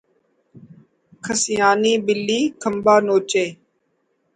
کھسیانی بلی کھمبا نوچے